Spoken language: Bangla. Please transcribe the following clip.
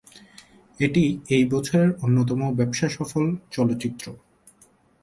এটি এই বছরের অন্যতম ব্যবসাসফল চলচ্চিত্র।